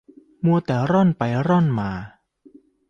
มัวแต่ร่อนไปร่อนมา